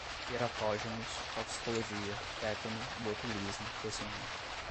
teratógenos, toxicologia, tétano, botulismo, peçonhento